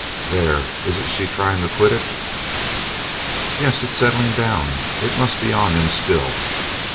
There, isn't she trying to quit it?" "Yes, it is settling down. It must be on him still."